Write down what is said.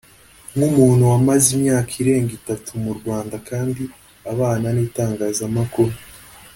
nk’umuntu wamaze imyaka irenga itatu mu Rwanda kandi abana n’itangazamakuru